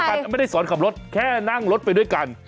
เพราะว่ากันไม่ได้สอนขับรถแค่นั่งรถไปด้วยกัน